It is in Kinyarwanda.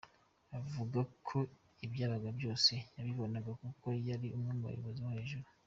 Avuga ko ibyabaga byose yabibonaga kuko yari umwe mu bayobozi bo hejuru.